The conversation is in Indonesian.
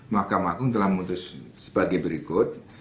makam agung telah memutus sebagai berikut